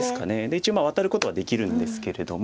一応ワタることはできるんですけれども。